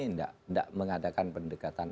enggak mengadakan pendekatan